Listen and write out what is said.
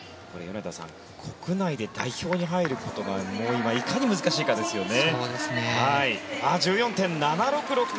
国内で代表に入ることが今いかに難しいかですよね。